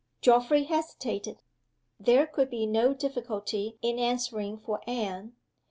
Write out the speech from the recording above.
Geoffrey hesitated. There could be no difficulty in answering for Anne.